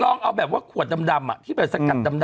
ลองเอาแบบว่าขวดดำที่ไปสกัดดำ